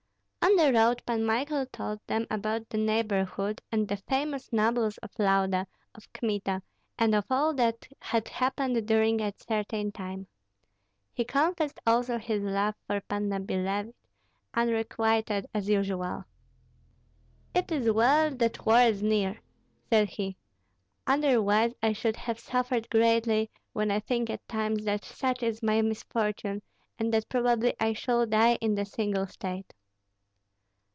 On the road Pan Michael told them about the neighborhood, and the famous nobles of Lauda, of Kmita, and of all that had happened during a certain time. He confessed also his love for Panna Billevich, unrequited as usual. "It is well that war is near," said he, "otherwise I should have suffered greatly, when I think at times that such is my misfortune, and that probably I shall die in the single state."